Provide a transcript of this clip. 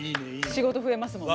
仕事増えますもんね。